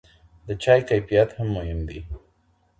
د چای کیفیت هم مهم دی.